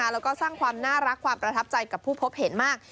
แล้วก็สร้างความน่ารักความประทับใจกับผู้พบเห็นมาก